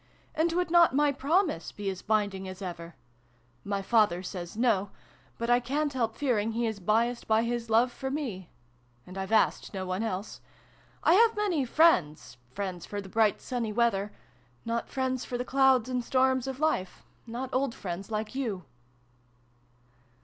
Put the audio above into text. And would not my promise be as binding as ever ? My father says ' no '; but I ca'n't help fearing he is biased by his love for me. And I've asked no one else. I have many friends friends for the bright sunny weather ; not friends for the clouds and storms of life ; not old friends like you